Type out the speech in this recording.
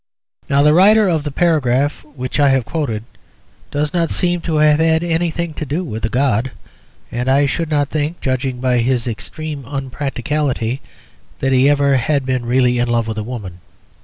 Now, the writer of the paragraph which I have quoted does not seem to have had anything to do with a god, and I should not think (judging by his extreme unpracticality) that he had ever been really in love with a woman.